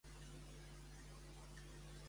Quina melodia va sonar al seu cor?